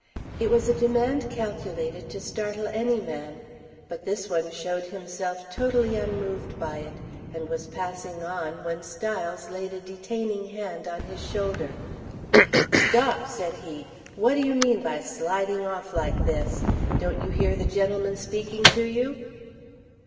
It was a demand calculated to startle any man. But this one showed himself totally unmoved by it, and was passing on when Styles laid a detaining hand on his shoulder. "Stop!" said he. "What do you mean by sliding off like this? Don't you hear the gentleman speaking to you?"